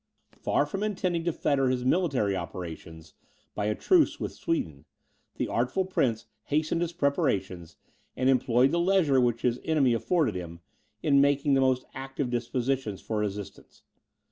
Far from intending to fetter his military operations by a truce with Sweden, the artful prince hastened his preparations, and employed the leisure which his enemy afforded him, in making the most active dispositions for resistance.